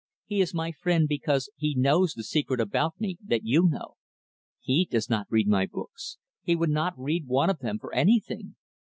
He is my friend because he knows the secret about me that you know. He does not read my books. He would not read one of them for anything.